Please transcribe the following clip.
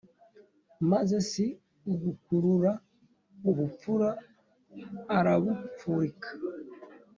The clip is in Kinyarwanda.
maze si ugukurura ubupfura arabupfurika.